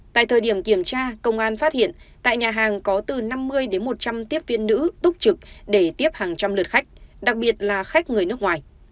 tại thời điểm kiểm tra công an phát hiện tại nhà hàng có từ năm mươi đến một trăm linh tiếp viên nữ túc trực để tiếp hàng trăm lượt khách đặc biệt là khách người nước ngoài